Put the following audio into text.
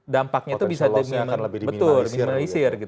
dampaknya itu bisa diminimalisir